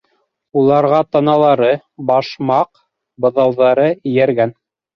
Уларға таналары, башмаҡ, быҙауҙары эйәргән.